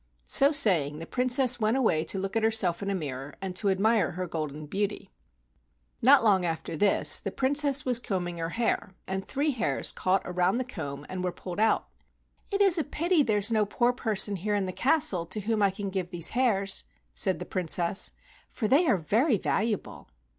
So saying, the Princess went away to look at herself in a mirror and to admire her golden beauty. Not long after this the Princess was combing her hair, and three hairs caught around the comb and were pulled out. "It is a pity there is no poor person here in the castle to whom I can give these hairs," said the Princess, "for they are very valuable."